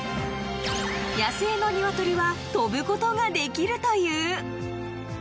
［野生の鶏は飛ぶことができるという］